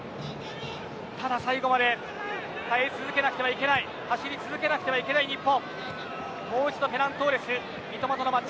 ただ最後まで耐え続けなくてはいけない走り続けなくてはいけない日本。